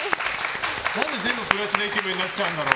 何で全部プラチナイケメンになっちゃうんだろう？